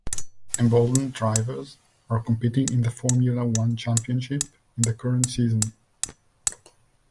Embolded drivers are competing in the Formula One championship in the current season.